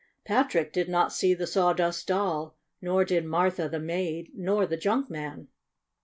Patrick did not see the Sawdust Doll, nor did Martha, the maid, nor the junk man.